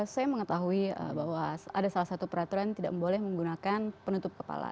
saya mengetahui bahwa ada salah satu peraturan tidak boleh menggunakan penutup kepala